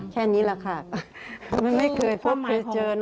แค่นี้แหละค่ะ